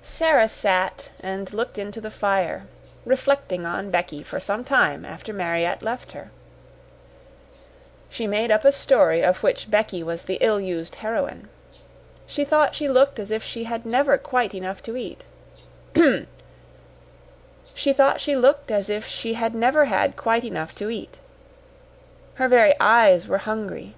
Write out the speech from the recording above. Sara sat and looked into the fire, reflecting on Becky for some time after Mariette left her. She made up a story of which Becky was the ill used heroine. She thought she looked as if she had never had quite enough to eat. Her very eyes were hungry.